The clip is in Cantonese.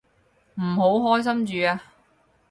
唔好開心住啊